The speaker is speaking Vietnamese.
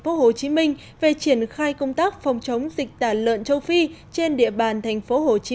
phố hồ chí minh về triển khai công tác phòng chống dịch tả lợn châu phi trên địa bàn thành phố hồ chí